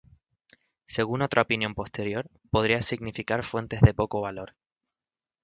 Según otra opinión posterior, podría significar "fuentes de poco valor".